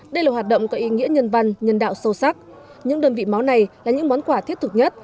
đây là hoạt động có ý nghĩa nhân văn nhân đạo sâu sắc những đơn vị máu này là những món quà thiết thực nhất